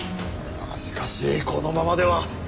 しかしこのままでは。